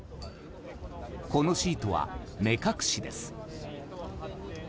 このシートは、目隠しです。